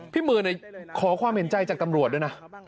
มือขอความเห็นใจจากตำรวจด้วยนะ